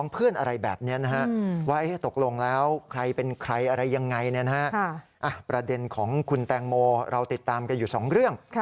เพื่อนอะไรแบบเนี่ยนะครับไว้ให้ตกลงแล้วใครเป็นใครอะไรยังไงเนี่ยนะครับประเด็นของคุณแตงโมเราติดตามกันอยู่สองเรื่อง